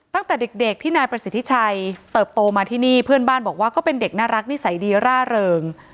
ตั้งแต่เด็กที่นายประสิทธิชัยเติบโตมาที่นี่เพื่อนบ้านบอกว่าก็เป็นเด็กน่ารักนิสัยดีร่าเริง